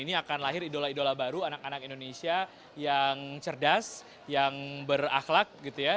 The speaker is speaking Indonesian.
ini akan lahir idola idola baru anak anak indonesia yang cerdas yang berakhlak gitu ya